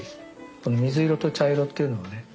この水色と茶色っていうのをね